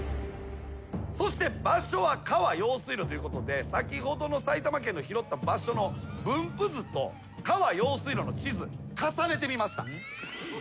そして場所は川・用水路ということで先ほどの埼玉県の拾った場所の分布図と川・用水路の地図重ねてみました。